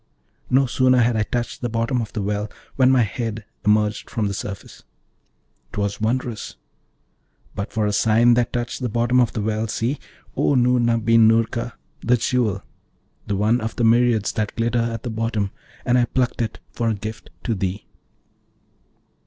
no sooner had I touched the bottom of the well when my head emerged from the surface: 'twas wondrous! But for a sign that touched the bottom of the well, see, O Noorna bin Noorka, the Jewel, the one of myriads that glitter at the bottom, and I plucked it for a gift to thee.'